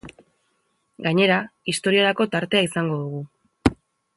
Gainera, historiarako tartea izango dugu.